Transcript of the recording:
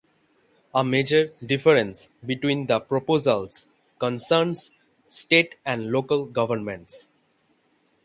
A major difference between the proposals concerns state and local governments.